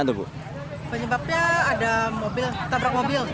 penyebabnya ada tamprak mobil